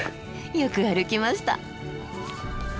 よく歩きました。